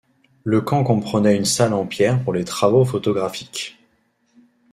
Le camp comprenait une salle en pierre pour les travaux photographiques.